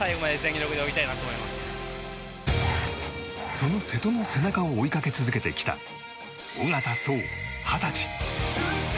その瀬戸の背中を追いかけ続けてきた小方颯、二十歳。